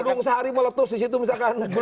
gedung sehari meletus di situ misalkan